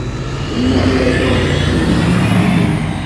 তুই আসলেই একটা অবিশ্বাস্য মেয়ে, সিন্ডি।